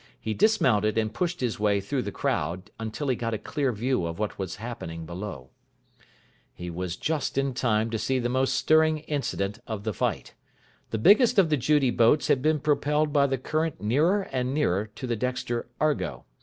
He dismounted and pushed his way through the crowd until he got a clear view of what was happening below. He was just in time to see the most stirring incident of the fight. The biggest of the Judy boats had been propelled by the current nearer and nearer to the Dexter Argo.